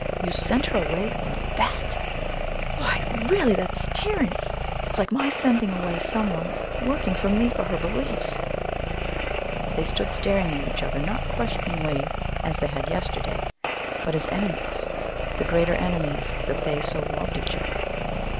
You sent her away for that! Why, really, that's tyranny! It's like my sending away some one working for me for her beliefs " They stood staring at each other, not questioningly as they had yesterday, but as enemies, the greater enemies that they so loved each other.